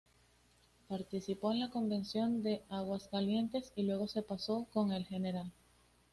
Participó en la Convención de Aguascalientes y luego se pasó con el Gral.